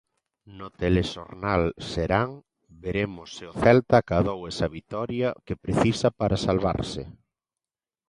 No Telexornal Serán veremos se o Celta acadou esa vitoria que precisa para salvarse.